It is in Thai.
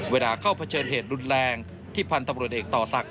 เวลาเข้าเผชิญเหตุรุนแรงที่พันธุ์ตำรวจเอกต่อศักดิ